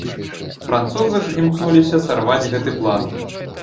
Французы ж імкнуліся сарваць гэты план.